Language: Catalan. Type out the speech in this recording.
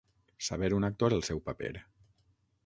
Saber un actor el seu paper.